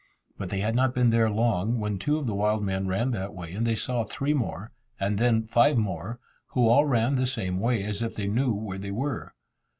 But they had not been there long, when two of the wild men ran that way, and they saw three more, and then five more, who all ran the same way, as if they knew where they were.